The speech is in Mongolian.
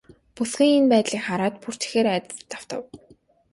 Бүсгүй энэ байдлыг хараад бүр ч ихээр айдаст автав.